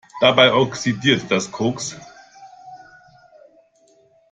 Dabei oxidiert das Koks.